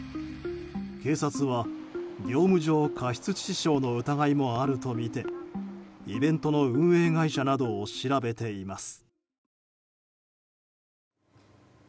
警察は業務上過失致死傷の疑いもあるとしてイベントの運営会社などを調べています。